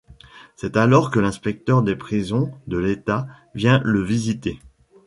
C’est alors que l’Inspecteur des prisons de l’État vient le visiter…